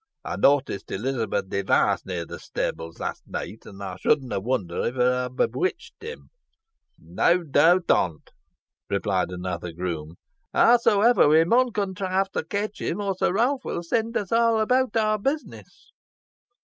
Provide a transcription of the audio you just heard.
Ey noticed Elizabeth Device near th' stables last neet, an ey shouldna wonder if hoo ha' bewitched him." "Neaw doubt on't," replied another groom. "Howsomever we mun contrive to ketch him, or Sir Roaph win send us aw abowt our business.